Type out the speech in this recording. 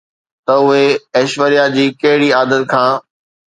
ته اهي ايشوريا جي ڪهڙي عادت کان